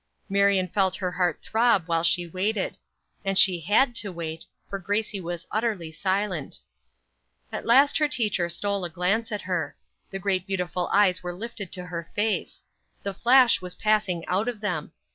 Marion felt her heart throb while she waited. And she had to wait, for Gracie was utterly silent. At last her teacher stole a glance at her. The great beautiful eyes were lifted to her face. The flash was passing out of them.